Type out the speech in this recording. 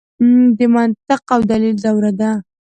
د منطق او دلیل دوره ده.